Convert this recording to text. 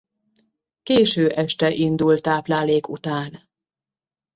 Késő este indul táplálék után.